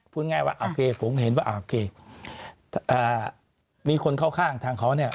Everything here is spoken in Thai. พูดง่ายว่าโอเคผมเห็นว่าโอเคมีคนเข้าข้างทางเขาเนี่ย